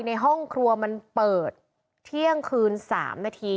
ในห้องครัวมันเปิดเที่ยงคืน๓นาที